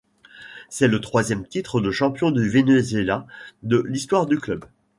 C'est le troisième titre de champion du Venezuela de l'histoire du club.